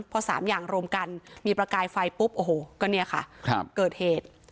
พอ๓อย่างรวมกันมีประกายไฟปุ๊บโอ้โหก็เนี่ยค่ะเกิดเหตุ